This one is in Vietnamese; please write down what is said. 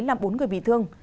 làm bốn người bị thương